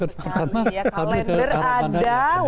kalender ada website ada